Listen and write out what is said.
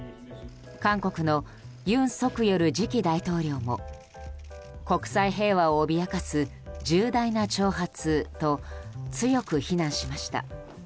韓国の尹錫悦次期大統領も国際平和を脅かす重大な挑発と強く非難しました。